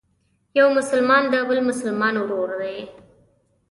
یو مسلمان د بل مسلمان ورور دی.